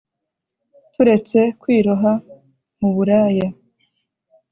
Turetse kwiroha mu buraya